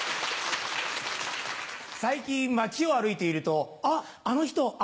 最近街を歩いていると「あっあの人」